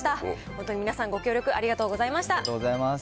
本当に皆さん、ご協力ありがとうありがとうございます。